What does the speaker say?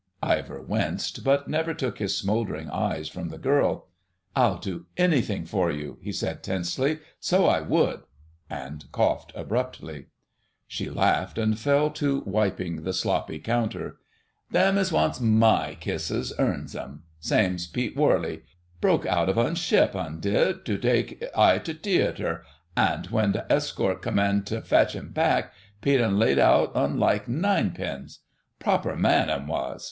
Ivor winced, but never took his smouldering eyes from the girl. "I'd do anything for you," he said tensely, "so I would," and coughed abruptly. She laughed and fell to wiping the sloppy counter. "Them as wants mai kisses earns un. Same's Pete Worley: broke out of uns ship, un did, tu take I tu theatre. An' w'en th' escort commed tu fetch un back, Pete un laid un out laike nine pins! Proper man, un was!"